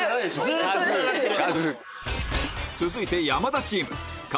ずっとつながってる。